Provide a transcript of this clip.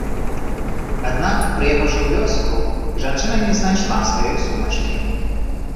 Аднак, прыехаўшы ў вёску, жанчына не знайшла сваёй сумачкі.